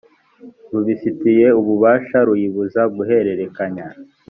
rubifitiye ububasha ruyibuza guhererekanya